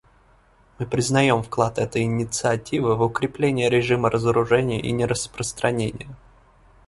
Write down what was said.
Мы признаем вклад этой инициативы в укрепление режима разоружения и нераспространения.